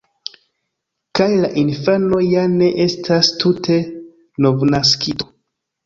Kaj la infano ja ne estas tute novnaskito.